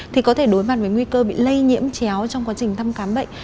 thì có thể đối mặt với nguy cơ bị lây nhiễm chéo trong quá trình thăm khám bệnh